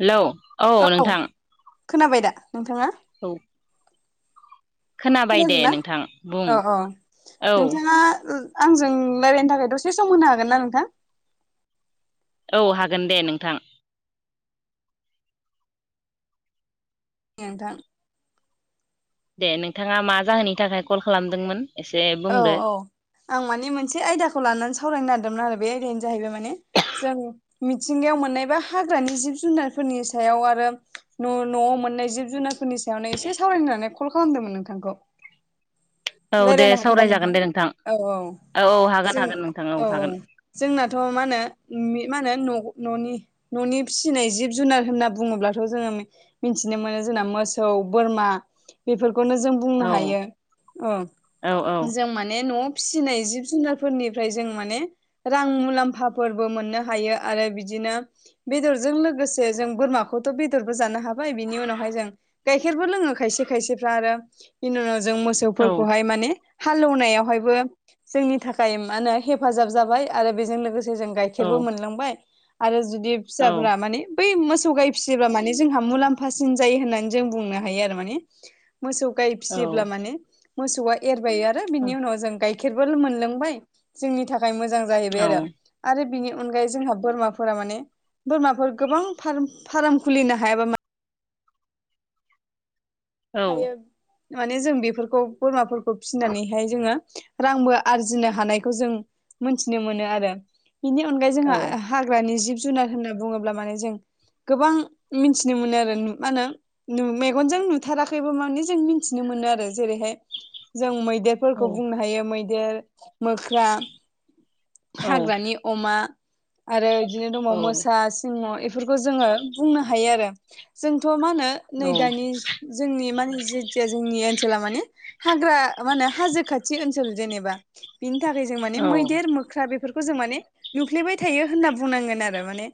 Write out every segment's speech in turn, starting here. Hello औ नोंथां। खोनाबाय दा नोंथाङा। औ। खोनाबाय दे खोनादोंना? नोंथां बुं औ औ। औ नोंथाङा आंजों रायलायनो थाखाय दसे सम होनो हागोन ना नोंथां। औ हागोन दे नोंथां। नोंथां। दे नोंथाङा मा जाहोननि थाखाय कल खालामदोंमोन? एसे औ बुंदो औ आं माने मोनसे आयदाखौ लानानै सावरायनो नागिरदोंमोन आरो बे आयदायानो जाहैबाय माने जों मिथिंगायाव मोननायबा हाग्रानि जिब जुनारफोरनि सायाव आरो न' न'आव मोननाय जिब जुनारफोरनि सायावनो एसे सावरायनानै कल खालामदोंमोन नोंथांखौ। [inaudible] औ दे रायज्लायनो हागोन दा सावरायजागोन दे नोंथां। औ औ जों हागोन हागोन नोंथां औ हागोन। जोंनाथ' मा होनो मा होनो न न'नि न'नि फिसिनाय जिब जुनार होनना बुङोब्लाथ' जोङो मिथिनो मोनो जोंना मोसौ बोरमा बेफोरखौनो जों बुंनो औ हायो औ औ औ। जों माने न'आव फिसिनाय जिब जुनारफोरनिफ्राय जों माने रां मुलाम्फाफोरबो मोननो हायो आरो बिदिनो बेदरजों लोगोसे जों बोरमाखौथ' बेदरबो जानो हाबाय बिनि उनावहाय जों गाइखेरबो लोङो खायसे खायसेफ्रा आरो बिनि उनाव जों मोसौफोरखौहाय माने हालौनायावहायबो जोंनि थाखाय मा होनो हेफाजाब जाबाय आरो बेजों लोगोसे जों गाय औ खेरबो मोनलांबाय आरो जुदि औ फिसाफोरा मानि बै मोसौ गाय फिसियोबा माने जोंहा मुलाम्फासिन जायो होननानै जों बुंनो हायो आरो माने मोसौ गाय औ फिसियोब्ला माने मोसौआ एरबायारो बिनि उनाव जों गाय खेरबो मोनलोंबाय जोंनि थाखाय मोजां औ जाहैबाय आरो आरो बिनि अनगायै जोंहा बोरमाफोरा माने बोरमाफोर गोबां फार फार्म खुलिनो हायाबा औ [inaudible] माने जों बेफोरखौ बोरमाफोरखौ फिसिनानैहाय जोङो रांबो आरजिनो हानायखौ जों मोनथिनो मोनो आरो। बिनि अनगायै जोंहा हाग्रानि जिब जुनार होनना बुङोब्ला माने जों गोबां मिथिनो मोनो आरो मा होनो मेगनजों थाराखैबो जों मिथिनो मोनो आरो। जेरैहाय जों मैदेर फोरखौ बुंनो हायो मैदेर, मोख्रा हाग्रानि अमा आरो इदिनो दङ मोसा सिंह' एफोरखौ जोङो बुंनो हायो आरो जोंथ' मा होनो नै दानि जोंनि मानि जेथिया जोंनि ओनसोला मानि हाग्रा मा होनो हाजो खाथि ओनसोल जेनेबा बिनि थाखाय जों माने मैदेर मो ख्रा बेफोरखौ जों माने नुफ्लेबाय थायो होनना बुंनांगोन आरो माने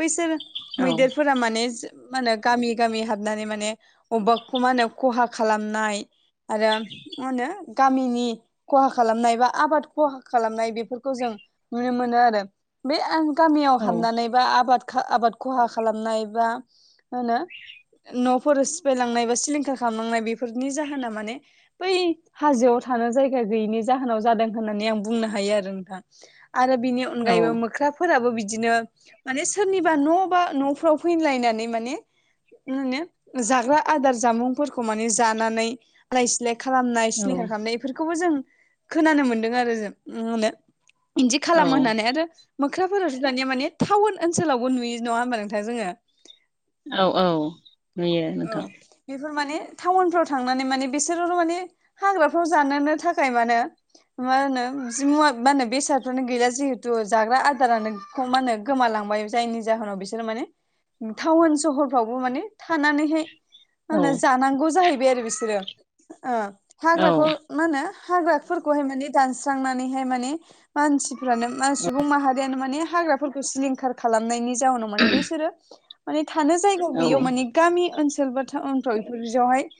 बैसोर मैदेरफोरा माने मा होनो गामि गामि हाबनानै माने अबाखौ मा होनो खहा खालामनाय आरो मा होनो गामिनि खहा खालामनाय बा आबाद खहा खालामनाय बेफोरखौ जों नुनो मोनो आरो बे आं गामियाव हाबनानै बा आबाद खा आबाद खहा खालामनाय बा होनो न'फोर स यलांनाय बा सिलिंखार खालामलांनाय बेफोरनि जाहोना माने बै हाजोआव थानो जायगा गैयिनि जाहोनाव जादों होननानै आं बुंनो हायो आरो नोंथां। आरो बिनि अनगायैबो मोख्रा फोराबो बिदिनो माने सोरनिबा न' बा न'फ्राव फैलायनानै माने नुनो जाग ग्रा आदार जामुंफोरखौ माने जानानै आलाय सिलाय खालामनाय औ सिलिंखार खालामनाय बेफोरखौबो जों खोनानो मोनदों आरो जों म होनो इदि औ खालामो होननानै आरो मोख्राफोरावथो दानिया माने टाउन ओनसोलावबो नुयो नङाहोमबा नोंथां जोङो? औ औ नुयो औ नोंथां बेफोर माने टाउनफ्राव थांनानै माने बिसोर माने हाग्राफ्राव जानोनो थाखाय मानो मा होनो जिमुवा मा होनो बेसादफ्रानो गैला जिहेथु जाग्रा आदारानो खौ माहोनो गोमालांबाय जायनि जाहोनाव बिसोरो माने टाउन सहरफ्रावबो माने था थानानैहाय औ माहोनो जानांगौ जाहैबाय आरो बिसोरो ओ हाग्राखौ मा होनो हाग्राफोरखौहाय माने दानस्रांनानैहाय माने मानसिफ्रानो म सुबुं माहारियानो माने हाग्राफोरखौ सिलिंखार खालामनायनि जाहोनाव माने बैसोरो माने थानो जायगा औ गैयियाव माने गामि ओनसोल बा टाउनफ्राव फोरजावहाय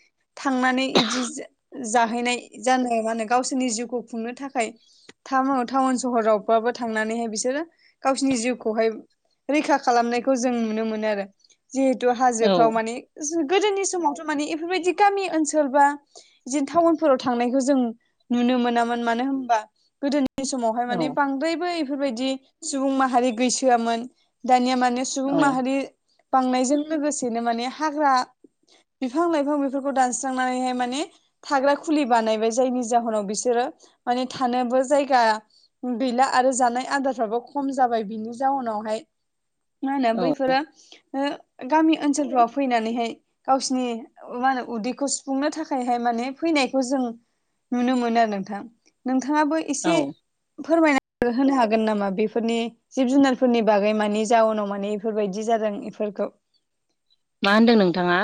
थांनानै इदि जा-जाहैनाय जानो माने गावसोरनि जिउखौ खुंनो थाखाय थम टाउन सहरावबाबो थांनानैहाय बिसोरो गावसिनि जिउखौहाय रैखा खालामनायखौ जों नुनो मोनो आरो जिहेतु औ हाजोफ्राव औ माने जो गोदोनि समावथ' मानि इफोरबायदि गामि ओनसोल बा इदिनो टाउनफोराव थांनायखौ जों नुनो मोनामोन मानो होनबा गोदोनि समावहाय औ माने बांद्रायबो इफोरबायदि सुबुं माहारि गैसोआमोन दानिया माने सुबुं औ माहारि बांनायजों लोगोसेनो माने हाग्रा बिफां लाइफां बेफोरखौ दानस्रांनानैहाय माने थाग्रा खुलि बानायबाय जायनि जाहोनाव बिसोरो माने थानोबो जायगा गैला आरो जानाय आदारफ्राबो खम जाबाय बिनि जाउनावहाय मा होनो औ बैफोरो गामि ओनसोलफोराव फैनानैहाय गावसिोरनि मा होनो उदैखौ सुफुंनो थाखायहाय माने फैनायखौ जों नुनो मोनो आरो नोंथां नोंथाङाबो औ एसे फोरमायनानै होनो हागोन नामा बेफोरनि जिब जुनारफोरनि बागै मानि जाउनाव मानि बेफोरबायदि जादों इफोरखौ मा होनदों नोंथाङा?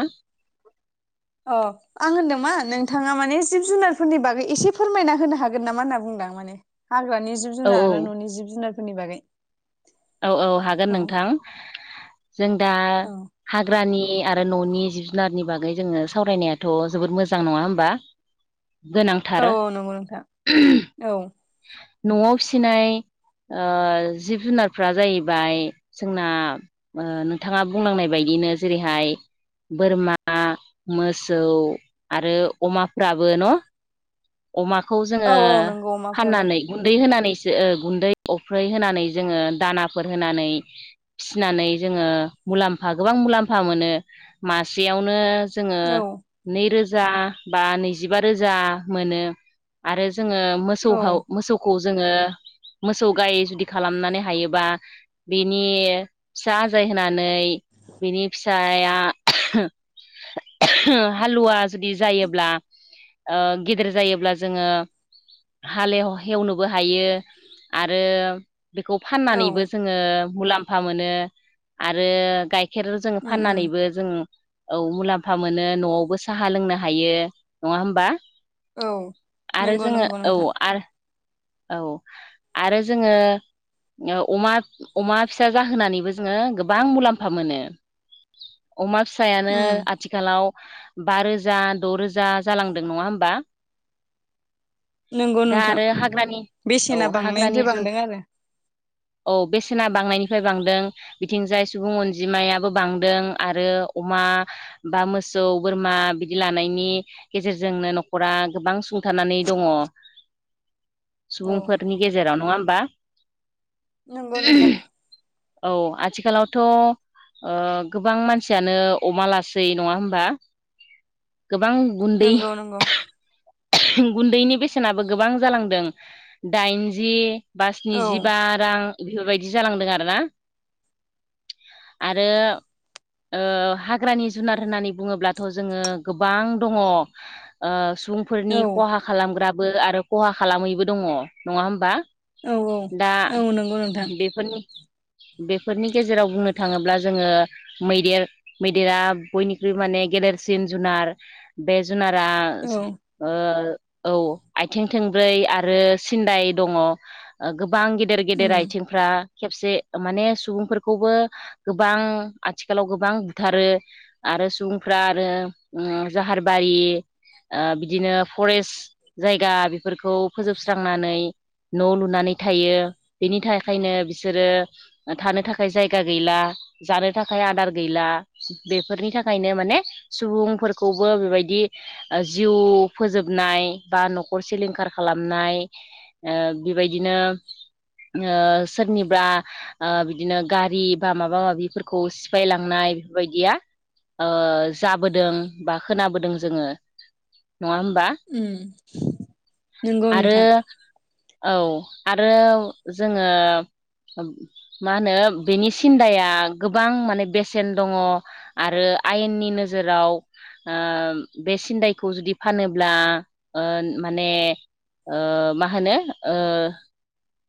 अ आं होनदोंमोन नोंथाङा माने जिब जुनारफोरनि बागै एसे फोरमायना होनो हागोन नामा होनना बुदां माने हाग्रानि जिब औ जुनार औ आरो न'नि जिब जुनारफोरनि बागै औ औ हागोन औ नोंथां जों दा औ हाग्रानि आरो न'नि जिब जुनारनि बागै जोङो सावरायनायाथ' जोबोद मोजां नङा होमबा गोनांथार औ औ नंगौ नोंथां औ। न'वाव फिसिनाय ओ जिब जुनारफ्रा जाहैबाय जोंना ओ नोंथाङा बुंलांनाय बायदिनो जेरैहाय बोरमा मोसौ आरो अमाफ्राबो न अमाखौ जोङो औ औ नंगौ अमाफ्राबो फाननानै गुन्दै होनानैसो ओ गुन्दै अफ्रै होनानै जोङो दानाफोर होनानै फिसिनानै जोङो मुलाम्फा गोबां मुलाम्फा मोनो मासेयावनो जोङो औ नैरोजा बा नैजिबा रोजा मोनो आरो जोङो मो औ दौहौ मोसौखौ जोङो मोसौ गाय जुदि खालामनानै हायोबा बिनि फिसा आजाय होनानै बिनि फिसाया हालुवा जुदि जायोब्ला ओ गेदेर जायोब्ला जोङो हालेव हेवनोबो हायो आरो बेखौ फाननानैबो औ जों ओ मुलाम्फा मोनो आरो गाइखेर जोङो उम उम फाननानैबो जों औ मुलाम्फा मोनो नआवबो साहा लोंनो हायो नङा होमबा औ नंगौ नंगौ नोंथां आ औ आरो जोङो अमा अमा फिसा जाहोनानैबो जोङो गोबां मुलाम्फा मोनो अमा फिसायानो उम आथि खालाव बा रोजा द रोजा जालांदों नङा होमबा नंगौ दा नोंथां आरो हाग्रानि औ बेसेना हाग्रानि बांनायनिफ्राय जुन बांदों आरो औ बेसेना बांनायनिफ्राय बांदों बिथिंजाय सुबुं अनजिमायाबो बांदों आरो अमा बा मोसौ बोरमा बिदि लानायनि गेजेरजोंनो नखरा गोबां सुंथानानै दङ औ सुबुंफोरनि गेजेराव नङा होमबा नंगौ नोंथोन औ आथिखालावथ ओ गोबां मानसियानो अमा लासै नङा होमबा गोबां गुन्दै नंगौ नंगौ गुन्दैनि बेसेनाबो गोबां जालांदों दाइनजि बासनि औ जिबा रां बेफोरबायदि जालांदों आरो ना आरो ओ हाग्रानि जुनार होननानै बुङोब्लाथ' जोङो गोबां दङ ओ सुबुंफोरनि औ खहा खालामग्राबो आरो खहा खालामैबो दङ नङा होमबा औ दा औ नंगौ नोंथां बेफोरनि बेफोरनि गेजेराव बुंनो थाङोब्ला जोङो मैदेर मैदेरा बयनिख्रुइ माने गेदेरसिन जुनार बे जुनारा‌ औ ओ औ आइथिं थोंब्रै आरो सिन्दाय दङ ओ गोबां गेदेर गेदेर उम आथिंफ्रा खेबसे माने सुबुंफोरखौबो गोबां आथिखालाव गोबां बुथारो आरो सुबुंफ्रा आरो ओम जाहारबारि ओ बिदिनो फरेस्ट जायगा बेफोरखौ फोजोबस्रांनानै न लुनानै थायो बिनि थाखायनो बिसोरो थानो थाखाय जायगा गैला जानो थाखाय आदार गैला बेफोरनि थाखायनो माने सुबुंफोरखौबो बेबायदि ओ जिउ फोजोबनाय बा नखर सिलिंखार खालामनाय ओ बेबायदिनो ओ सोरनिबा आ बिदिनो गारि बा माबा माबिफोरखौ सिफायलांनाय बेफोरबायदिया ओ जाबोदों बा खोनाबोदों जोङो नङा होमबा उम नंगौ [inaudible] आरो नोंथां औ आरो जोङो मा होनो बेनि सिन्दाया गोबां माने बेसेन दङ आरो आयेननि नोजोराव आ बे सिन्दायखौ जुदि फानोब्ला ओ माने ओ मा होनो ओ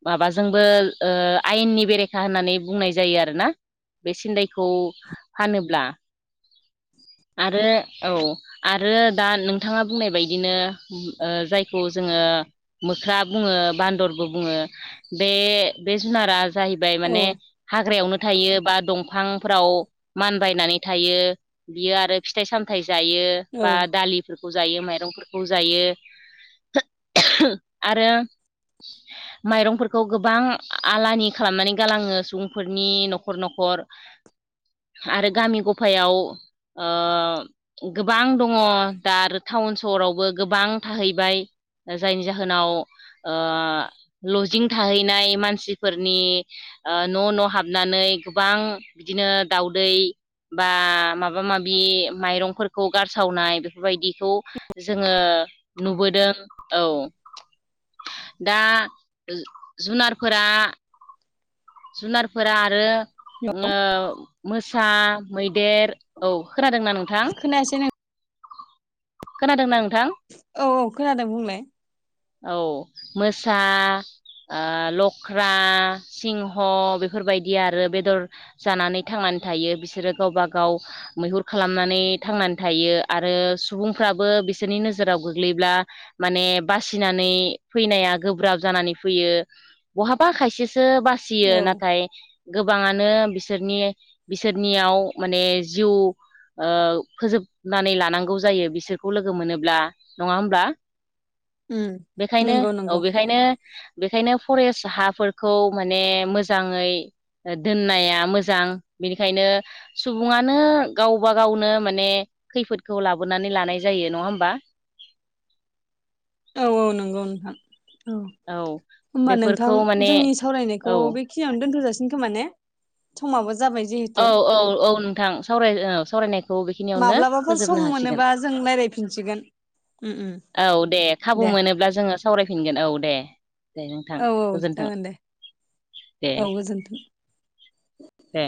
माबाजोंबो ओ आयेननि बेरेखा होननानै बुंनाय जायो आरोना बे सिन्दायखौ फानोब्ला आरो औ आरो दा नोंथाङा बुंनाय बायदिनो ओ जायखौ जोङो मोख्रा बुङो बान्दरबो बुङो बे बे जुनारा जाहैबाय औ माने हाग्रायावनो थायो बा दंफांफ्राव मानबायनानै थायो बियो आरो फिथाइ सामथायाइ जायो औ बा दालिब फोरखौ जायो माइरंफोरखौ जायो [unintelligible] आरो [inaudible] माइरंफोरखौ गोबां आलानि खालामनानै गालाङो सुबुंफोरनि न'खर न'खर [inaudible] आरो गामि गफायाव ओ गोबां दङ दा आरो टाउन सहरावबो गोबां थाहैबाय जायनि जाहोनाव ओ लजिं थाहैनाय मानसिफोरनि आ न' न' हाबनानै गोबां बिदिनो दाउदै बा माब माबा माबि माइरंफोरखौ गारसावनाय बेफोरबायदिखौ जोङो नुबोदों औ दा जुनारफोरा जुनारफोरा आरो [unintelligible] मोसा मैदेर औ खोनादोंना नोंथां? खोनायासै न खोनादोंना नोंथां? औ औ खोनादों बुंलाय औ मोसा आ लख्रा सिंह' बेफोरबायदि आरो बेदर जानानै थांनानै थायो बिसोरो गावबा गाव मैहुर खालामनानै थांनानै थायो आरो सुबुंफ्राबो बिसोरनि नोजोराव गोग्लैब्ला माने बास फैनानै फैनाया गोब्राब जानानै फैयो बहाबा खायसेसो बा। औ फिसियो नाथाय। गोबाङानो बिसोरनि-बिसोरनियाव माने जिउ। ओ फोजोबनानै लानांगौ जायो बिसोरखौ लोगो मोनोब्ला नङा होमब्ला? उम बेखायनो नंगौ औ नंगौ बेखायनो। बेखायनो फरेस्ट हाफोरखौ माने मोजाङै। दोननाया मोजां बेनिखायनो। सुबुङानो गावबा गावनो माने खैफोदखौ लाबोनानै लानाय जायो नङा होमबा औ औ नोंगौ नोंथां औ [unintelligible] होमबा नोंथां बेफोरखौ माने जोंनि सावरायनायखौ औ बे खियाव दोनथ'जासिन खोमा ने समाबो जाबाय जे औ औ औ नोंथां सावरायो सावरायनाय खौ बेखिनियावनो माब्लाबाफोर फोजोबनो सम हासिगोन मोनोबा जों रायज्लायफिनसिगोन उम उम औ दे खाबु मोनोब्ला जोङो सावरायफिनगोन औ दे दे नोंथां औ औ गोजोन्थों जागोन दे दे। औ गोजोन्थों दे।